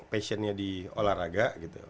passionnya di olahraga